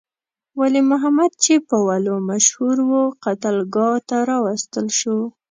ولی محمد چې په ولو مشهور وو، قتلګاه ته راوستل شو.